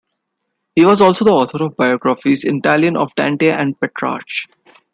He was also the author of biographies in Italian of Dante and Petrarch.